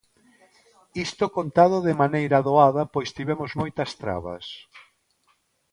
Isto contado de maneira doada pois tivemos moitas trabas.